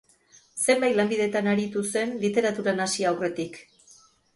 Zenbait lanbidetan aritu zen literaturan hasi aurretik.